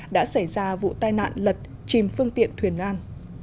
đã xảy ra vụ tai nạn lật chìm phương tiện thuyền nan